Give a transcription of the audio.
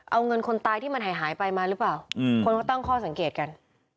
เอาเงินคนตายที่มันหายไปมาหรือเปล่าคนเขาตั้งข้อสังเกตกัน